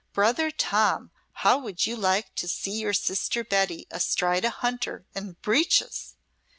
Brother Tom, how would you like to see your sister Betty astride a hunter, in breeches?